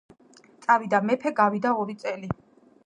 წავიდა მეფე. გავიდა ორი წელი.